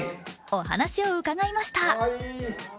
お話を伺いました。